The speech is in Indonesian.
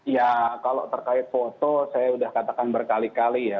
ya kalau terkait foto saya sudah katakan berkali kali ya